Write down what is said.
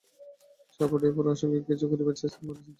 সাপ উঠিয়া পড়ার আশঙ্কায় কেঁচো খুঁড়িবার চেষ্টাতেও মানুষ ইতস্তত।